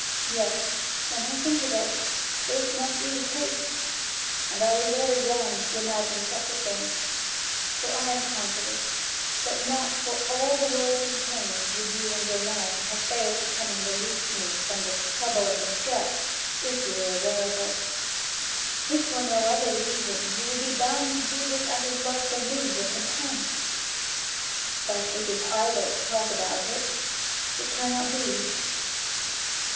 Yes, when I think of it, this must be the case, and I was very wrong to imagine such a thing; for I am confident that not for all the world contains would you and your men have failed to come to release me from this trouble and distress, if you were aware of it. If for no other reason, you would be bound to do this out of love for me, your companion. But it is idle to talk about it it cannot be.